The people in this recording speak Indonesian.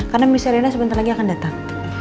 karena miss serena sebentar lagi akan datang